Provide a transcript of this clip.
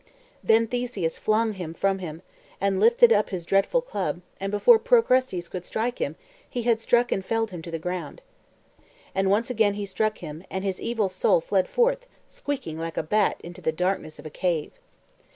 Then Theseus flung him from him, and lifted up his dreadful club; and before Procrustes could strike him, he had struck and felled him to the ground. And once again he struck him; and his evil soul fled forth, squeaking like a bat into the darkness of a cave.